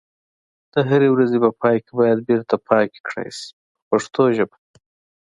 د هرې ورځې په پای کې باید بیرته پاکي کړای شي په پښتو ژبه.